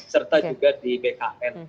serta juga di bkn